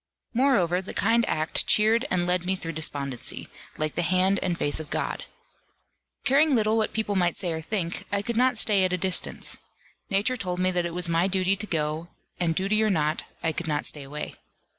Moreover the kind act cheered and led me through despondency, like the hand and face of God. Caring little what people might say or think, I could not stay at a distance. Nature told me that it was my duty to go, and duty or not, I could not stay away.